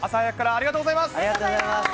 ありがとうございます。